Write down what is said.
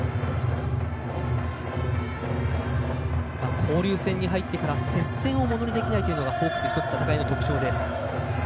交流戦に入ってから接戦をものにできないというのがホークスの戦いの特徴です。